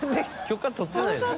許可とってないの？